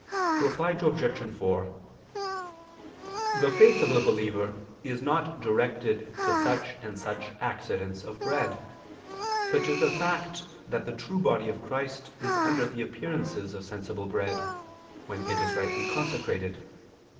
Reply Obj. 4: The faith of the believer is not directed to such and such accidents of bread, but to the fact that the true body of Christ is under the appearances of sensible bread, when it is rightly consecrated.